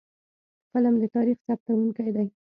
قلم د تاریخ ثبتونکی دی.